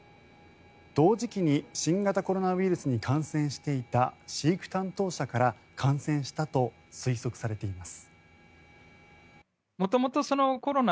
同時期に新型コロナウイルスに感染していた飼育担当者から感染したと推測されています。